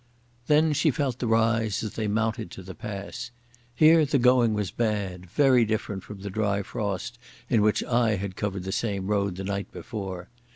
Then she felt the rise as they mounted to the pass. Here the going was bad, very different from the dry frost in which I had covered the same road the night before.